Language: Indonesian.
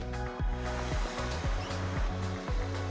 nah ini adalah ikan ikan yang terjangkau